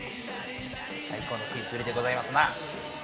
最高の食いっぷりでございますな。